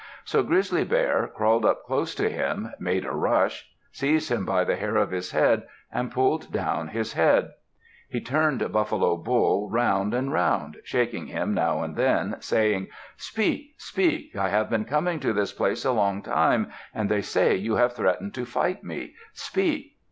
So Grizzly Bear crawled up close to him, made a rush, seized him by the hair of his head, and pulled down his head. He turned Buffalo Bull round and round, shaking him now and then, saying, "Speak! Speak! I have been coming to this place a long time, and they say you have threatened to fight me. Speak!"